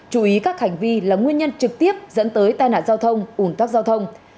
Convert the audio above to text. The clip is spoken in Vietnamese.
chú ý các hành vi là nguyên nhân trực tiếp dẫn tới tai nạn giao thông ủn tắc giao thông